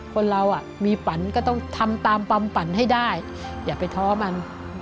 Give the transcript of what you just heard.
คนเรามีฝันก็ต้องทำตามความฝันให้ได้อย่าไปท้อมัน